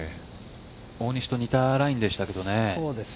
大西と似たラインですけどね。